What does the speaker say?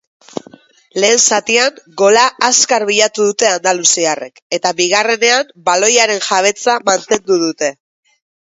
Lehen zatian gola azkar bilatu dute andaluziarrek eta bigarrenean baloiaren jabetza mantendu dute.